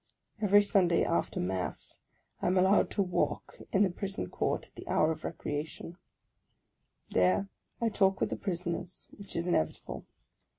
Every Sunday after Mass I am allowed to walk in the Prison court at the hour of recreation; there I talk with the pris oners, which is inevitable.